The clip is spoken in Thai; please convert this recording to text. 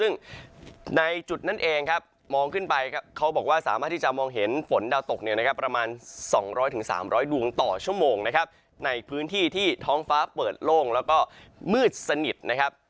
ซึ่งในจุดนั้นเองครับมองขึ้นไปเขาบอกว่าสามารถที่จะมองเห็นฝนดาวตกเนี่ยนะครับประมาณ๒๐๐๓๐๐ดวงต่อชั่วโมงนะครับในพื้นที่ที่ท้องฟ้าเปิดโล่งแล้วก็มืดสนิทนะครับ